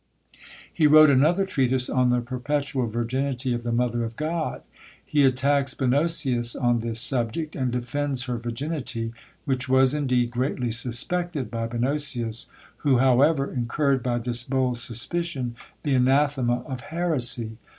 He wrote another treatise On the perpetual Virginity of the Mother of God. He attacks Bonosius on this subject, and defends her virginity, which was indeed greatly suspected by Bonosius, who, however, incurred by this bold suspicion the anathema of Heresy.